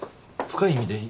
深い意味で。